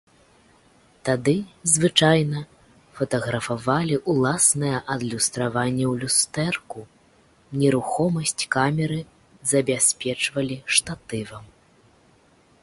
Тады, звычайна, фатаграфавалі ўласнае адлюстраванне ў люстэрку, нерухомасць камеры забяспечвалі штатывам.